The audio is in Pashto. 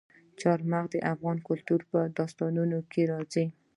چار مغز د افغان کلتور په داستانونو کې راځي.